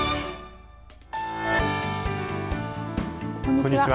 こんにちは。